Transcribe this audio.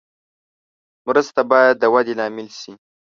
مرسته باید د ودې لامل شي.